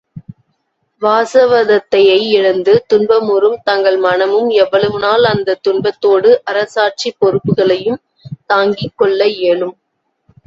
வாசவதத்தையை இழந்து துன்பமுறும் தங்கள் மனமும் எவ்வளவு நாள் அந்தத் துன்பத்தோடு அரசாட்சிப் பொறுப்பையும் தாங்கிக் கொள்ள இயலும்?